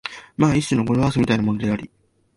まあ一種の語呂合せみたいなものであり、